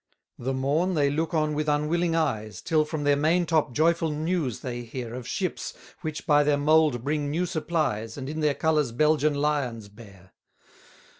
72 The morn they look on with unwilling eyes, Till from their main top joyful news they hear Of ships, which by their mould bring new supplies, And in their colours Belgian lions bear.